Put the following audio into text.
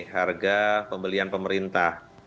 harga pembelian pemerintah